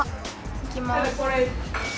いきます。